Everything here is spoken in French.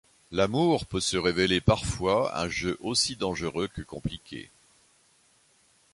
L'amour peut se révéler parfois un jeu aussi dangereux que compliqué...